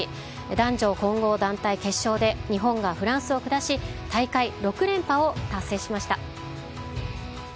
男女混合団体決勝で、日本がフランスを下し、大会６連覇を達成しました。